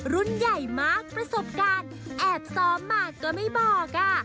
รุ่นใหญ่มากประสบการณ์แอบซ้อมมาก็ไม่บอกอ่ะ